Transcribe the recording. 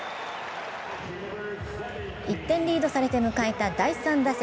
１点リードされて迎えた第３打席。